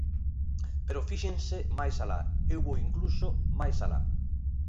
Pero fíxense máis alá, eu vou incluso máis alá.